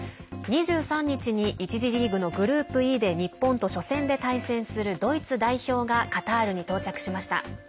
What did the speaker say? ２３日に１次リーグのグループＥで日本と初戦で対戦するドイツ代表がカタールに到着しました。